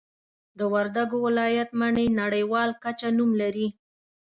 د وردګو ولایت مڼې نړیوال کچه نوم لري